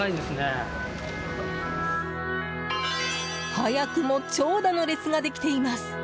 早くも長蛇の列ができています。